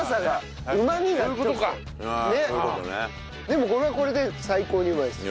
でもこれはこれで最高にうまいです。